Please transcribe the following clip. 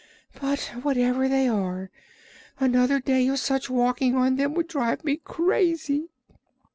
"But whatever they are, another day of such walking on them would drive me crazy."